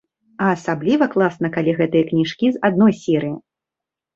А асабліва класна, калі гэтыя кніжкі з адной серыі.